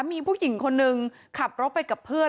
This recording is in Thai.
มีผู้หญิงคนนึงขับรถไปกับเพื่อน